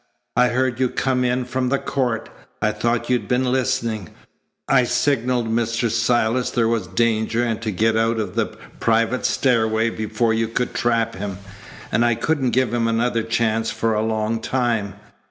"I heard you come in from the court. I thought you'd been listening. I signalled Mr. Silas there was danger and to get out of the private stairway before you could trap him. And I couldn't give him another chance for a long time.